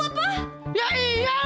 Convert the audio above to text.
udah mencaminya mencaminya dong